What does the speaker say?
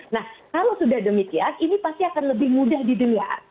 nah kalau sudah demikian ini pasti akan lebih mudah didengar